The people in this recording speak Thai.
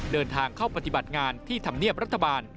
เดินทางเข้าปฏิบัติงานที่ธรรมเนียบรัฐบาล